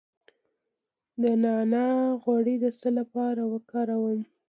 د نعناع غوړي د څه لپاره وکاروم؟